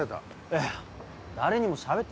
いや誰にもしゃべってないっす。